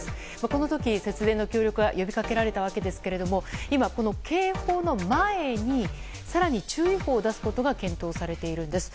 この時、節電の協力が呼びかけられたわけですが今、この警報の前に更に注意報を出すことが検討されているんです。